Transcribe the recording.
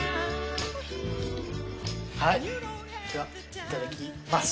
はいではいただきます。